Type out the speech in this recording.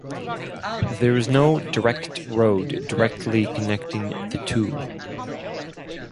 There is no direct road directly connecting the two.